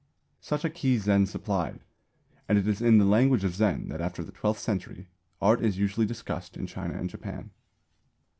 Such a key Zen supplied, and it is in the language of Zen that, after the twelfth century, art is usually discussed in China and Japan.